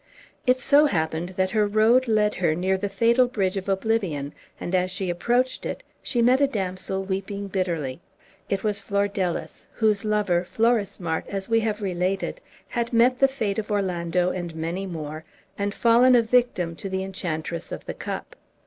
It so happened that her road led her near the fatal bridge of Oblivion, and as she approached it she met a damsel weeping bitterly. It was Flordelis, whose lover, Florismart, as we have related, had met the fate of Orlando and many more, and fallen a victim to the enchantress of the cup.